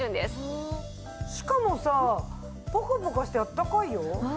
しかもさポカポカしてあったかいよ。